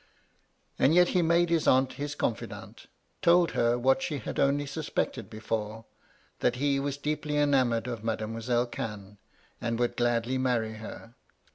And yet he made his aunt his confidante — ^told her what she had only sus pected before — that he was deeply enamoured of Mam'selle Cannes, and would gladly marry her.